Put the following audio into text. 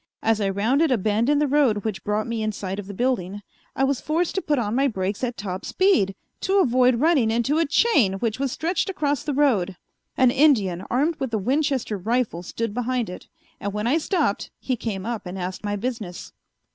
As I rounded a bend in the road which brought me in sight of the building, I was forced to put on my brakes at top speed to avoid running into a chain which was stretched across the road. An Indian armed with a Winchester rifle stood behind it, and when I stopped he came up and asked my business.